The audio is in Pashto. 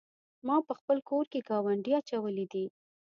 ما په خپل کور کې ګاونډی اچولی دی.